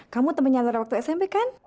kamu temennya antara waktu smp kan